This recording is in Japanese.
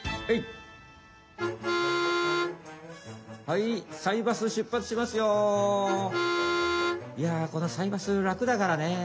「いやこのサイバスらくだからね。